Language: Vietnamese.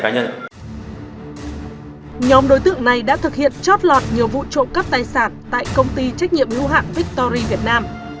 nông đối tượng này đã thực hiện chót lọt nhiều vụ trộm cấp tài sản tại công ty trách nhiệm lưu hạng victory việt nam